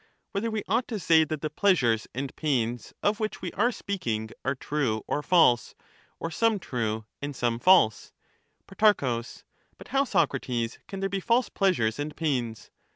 Whether we ought to say that the pleasures and pains of which we are speaking are true or false ? or some true and some false ? Pro. But how, Socrates, can there be false pleasures and pains